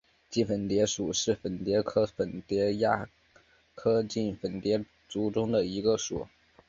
襟粉蝶属是粉蝶科粉蝶亚科襟粉蝶族中的一个属。